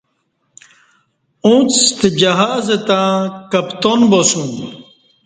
اݩڅ ستہ جِہاز تہ کپتان باسُوم